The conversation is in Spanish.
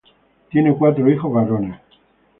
Tiene cuatro hijos varones.